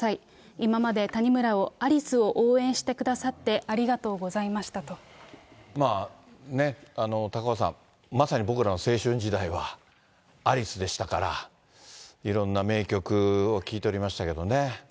今まで谷村を、アリスを応援してくださってありがとうございまし高岡さん、まさに僕らの青春時代はアリスでしたから、いろんな名曲を聴いておりましたけどね。